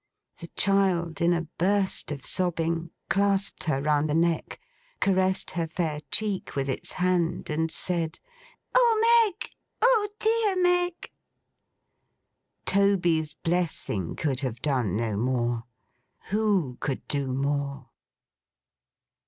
The child, in a burst of sobbing, clasped her round the neck; caressed her fair cheek with its hand; and said, 'Oh Meg! oh dear Meg!' Toby's blessing could have done no more. Who could do more!